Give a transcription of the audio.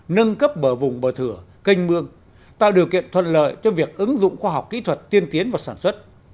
nâng cấp bờ vùng bờ thửa canh mương tạo điều kiện thuận lợi cho việc ứng dụng khoa học kỹ thuật tiên tiến vào sản xuất